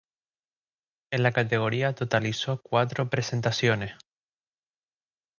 En la categoría totalizó cuatro presentaciones.